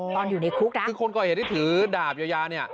ตอนอยู่ในคุกคือคนก่อเหตุที่ถือดาบยาเนี่ย